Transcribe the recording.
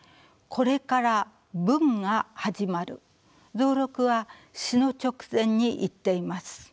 蔵六は死の直前に言っています。